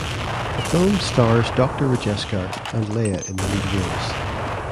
The film stars Doctor Rajasekhar and Laya in the lead roles.